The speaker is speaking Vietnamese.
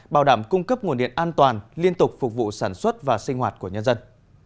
bảo đảm cung cấp nguồn điện an toàn liên tục phục vụ sản xuất và sinh hoạt của nhân dân